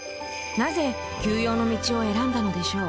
なぜ休養の道を選んだのでしょう？